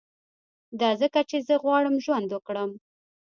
دا ځکه چي زه غواړم ژوند وکړم